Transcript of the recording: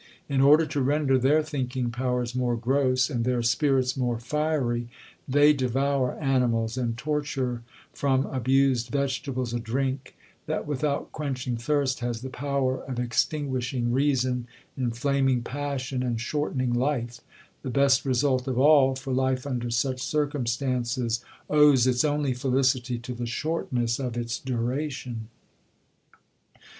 In order to render their thinking powers more gross, and their spirits more fiery, they devour animals, and torture from abused vegetables a drink, that, without quenching thirst, has the power of extinguishing reason, inflaming passion, and shortening life—the best result of all—for life under such circumstances owes its only felicity to the shortness of its duration.'